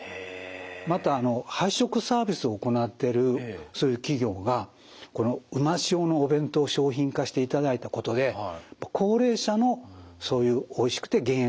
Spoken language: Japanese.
また配食サービスを行ってるそういう企業がこのうま塩のお弁当を商品化していただいたことで高齢者のそういうおいしくて減塩できることにもつながっています。